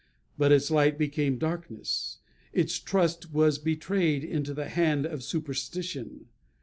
But its light became darkness; its trust was betrayed into the hand of superstition.